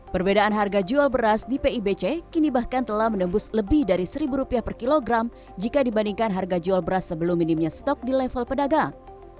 perbedaan harga jual beras di pibc kini bahkan telah menembus lebih dari rp satu per kilogram jika dibandingkan harga jual beras sebelum minimnya stok di level pedagang